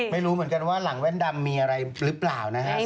ไม่รู้เหมือนกันว่าหลังแว่นดำมีอะไรหรือเปล่านะครับ